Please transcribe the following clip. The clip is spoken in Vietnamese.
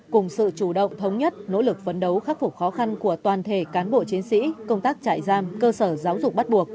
cùng sự chủ động thống nhất nỗ lực phấn đấu khắc phục khó khăn của toàn thể cán bộ chiến sĩ công tác trại giam cơ sở giáo dục bắt buộc